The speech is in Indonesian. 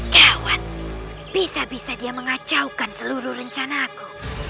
gawat bisa bisa dia mengacaukan seluruh rencanaku